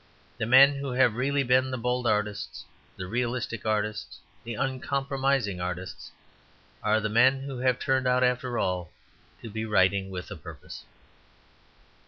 The men who have really been the bold artists, the realistic artists, the uncompromising artists, are the men who have turned out, after all, to be writing "with a purpose."